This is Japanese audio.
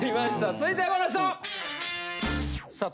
続いてはこの人！